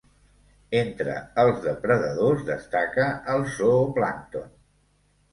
Entre els depredadors destaca el zooplàncton.